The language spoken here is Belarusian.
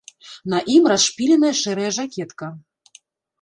На ім расшпіленая шэрая жакетка.